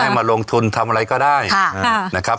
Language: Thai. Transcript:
อ้าอออออออออมาให้ลงทุนทำอะไรก็ได้นะครับ